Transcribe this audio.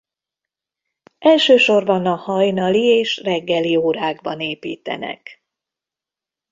Elsősorban a hajnali és reggeli órákban építenek.